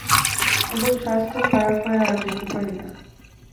এখন স্বাস্থ্য খারাপ হওয়ায় আর যেতে পারি না।